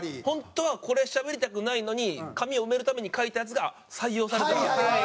本当はこれしゃべりたくないのに紙を埋めるために書いたやつが採用されたら。